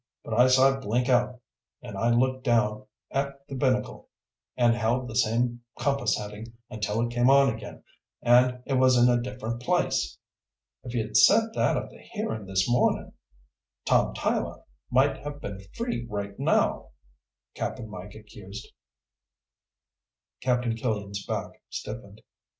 But I saw it blink out, and I looked down at the binnacle and held the same compass heading until it came on again, and it was in a different place. "If you'd said that at the hearing this morning, Tom Tyler might have been free right now," Cap'n Mike accused. Captain Killian's back stiffened.